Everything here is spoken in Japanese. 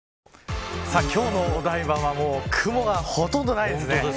今日のお台場は雲がほとんどありません。